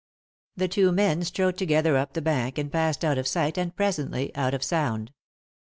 The two men strode together up the bank, and passed out of sight, and, presently, out of sound.